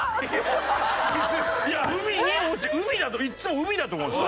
海にいつも海だと思うんですよ。